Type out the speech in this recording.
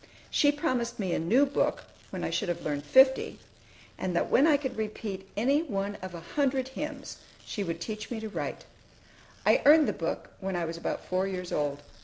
She promised me a new book, when I should have learned fifty; and that when I could repeat any one of a hundred hymns, she would teach me to write. I earned the book when I was about four years old.